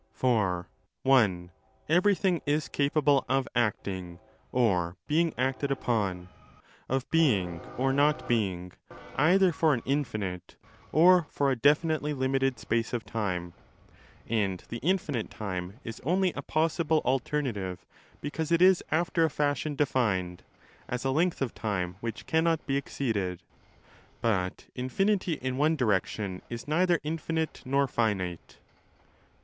For (1) every thing is capable of acting or being acted upon, of being or not being, either for an infinite, or for a definitely limited space of time; and the infinite time is only a possible alter native because it is after a fashion defined, as a length of το time which cannot be exceeded. But infinity in one direction is neither infinite nor finite.